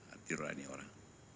arti rurahnya orang